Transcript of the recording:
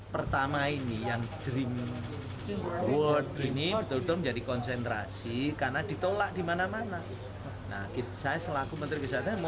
pertama ini yang dream world ini betul betul menjadi konsentrasi